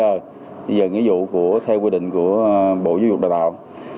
bây giờ nghĩa dụ theo quy định của bộ giáo dục đào tạo